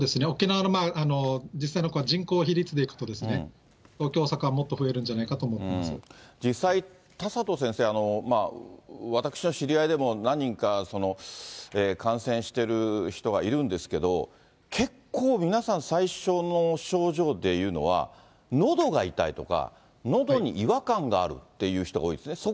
沖縄の実際の人口比率でいくと、東京、大阪はもっと増えるんじゃ実際、田里先生、私の知り合いでも、何人か感染してる人がいるんですけど、結構、皆さん、最初の症状でいうのは、のどが痛いとか、のどに違和感があるっていう人が多いですね。